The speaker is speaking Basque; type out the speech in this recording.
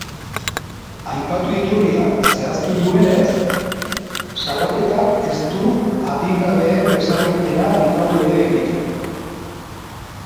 Aipatu iturriak zehaztu duenez, salaketak ez du adingabeen desagerpena aipatu ere egiten.